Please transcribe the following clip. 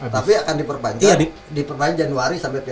tapi akan diperpanjang diperpanjang januari